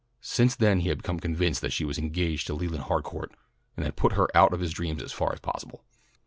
Since then he had become convinced that she was engaged to Leland Harcourt and had put her out of his dreams as far as possible.